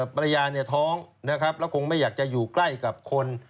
ภรรยาเนี่ยท้องนะครับแล้วคงไม่อยากจะอยู่ใกล้กับคน